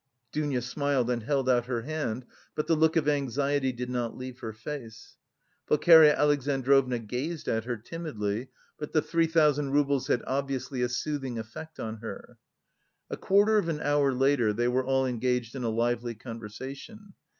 Dounia smiled and held out her hand, but the look of anxiety did not leave her face. Pulcheria Alexandrovna gazed at her timidly, but the three thousand roubles had obviously a soothing effect on her. A quarter of an hour later, they were all engaged in a lively conversation.